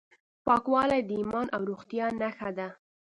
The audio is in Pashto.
پاکوالی د ایمان او روغتیا نښه ده.